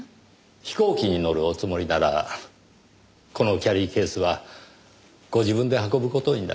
飛行機に乗るおつもりならこのキャリーケースはご自分で運ぶ事になります。